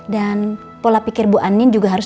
dan pola pikir bu andin juga harus